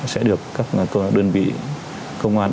sẽ được các đơn vị công an